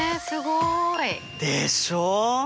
すごい！でしょ？